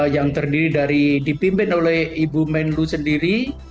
yang terdiri dari dipimpin oleh ibu menlu sendiri